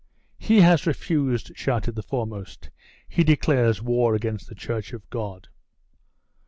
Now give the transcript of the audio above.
'He has refused!' shouted the foremost. He declares war against the Church of God!